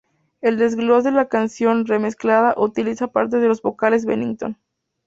El desglose de la canción re-mezclada utiliza partes de los vocales Bennington.